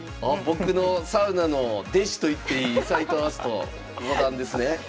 僕のサウナの弟子といっていい斎藤明日斗五段ですね。